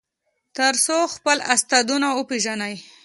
تر څو خپل استعدادونه وپیژني.